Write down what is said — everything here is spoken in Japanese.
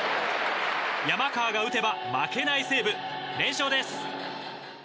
山川が打てば負けない西武連勝です。